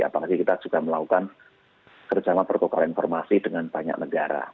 apalagi kita juga melakukan kerjasama perkokalan informasi dengan banyak negara